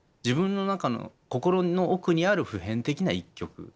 自分の中の心の奥にある普遍的な一曲。